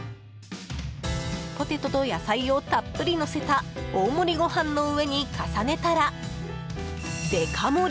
ポテトと野菜をたっぷりのせた大盛りご飯の上に重ねたらデカ盛り！